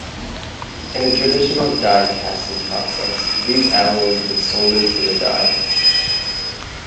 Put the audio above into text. In a traditional die casting process these alloys would solder to the die.